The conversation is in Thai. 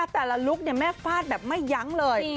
แต่ละลุคแม่ฟาดแบบไม่ยั้งเลย